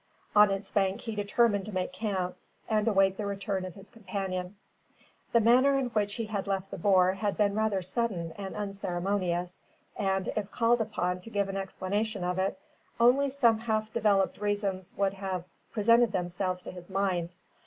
On its bank he determined to make camp, and await the return of his companion. The manner in which he had left the boer had been rather sudden and unceremonious, and, if called upon to give an explanation of it, only some half developed reasons would have presented themselves to his mind.